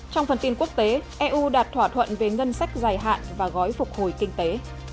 trong phần tin quốc tế eu đạt thỏa thuận về ngân sách dài hạn và gói phục hồi kinh tế